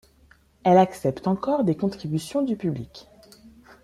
Elle accepte encore des contributions du public.